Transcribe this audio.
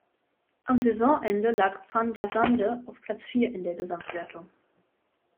Am Saisonende lag Van der Zande auf Platz vier in der Gesamtwertung.